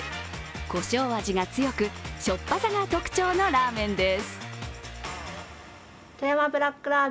こしょう味が強く、しょっぱさが特徴のラーメンです。